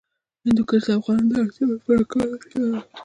هندوکش د افغانانو د اړتیاوو د پوره کولو وسیله ده.